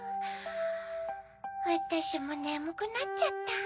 わたしもねむくなっちゃった。